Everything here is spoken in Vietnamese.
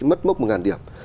mất mốc một ngàn điểm